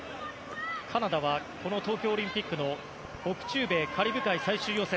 カナダはこの東京オリンピックの北中米カリブ海最終予選